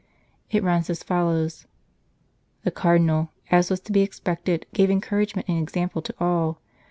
It runs as follows : "The Cardinal, as was to be expected, gave encouragement and example to all.